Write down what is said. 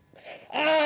ああ！